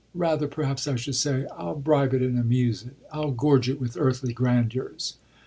Rather perhaps I should say I'll bribe it and amuse it; I'll gorge it with earthly grandeurs."